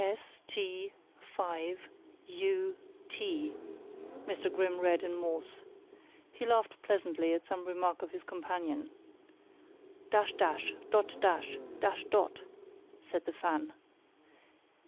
"S t 5 u t," Mr. Grimm read in Morse. He laughed pleasantly at some remark of his companion. "Dash dash! Dot dash! Dash dot!" said the fan.